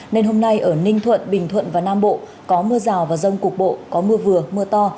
nên hôm nay ở ninh thuận bình thuận và nam bộ có mưa rào và rông cục bộ có mưa vừa mưa to